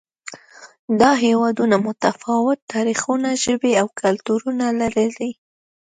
دا هېوادونه متفاوت تاریخونه، ژبې او کلتورونه لري.